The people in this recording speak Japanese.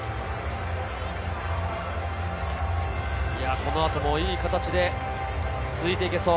この後もいい形でついて行けそう。